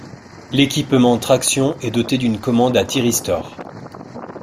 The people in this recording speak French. L'équipement traction est doté d'une commande à thyristors.